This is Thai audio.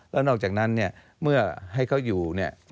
แล้วนอกจากนั้นเนี่ยเมื่อให้เขาอยู่เนี่ย